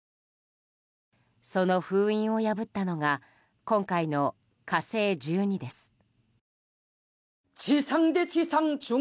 その封印を破ったのが今回の「火星１２」です。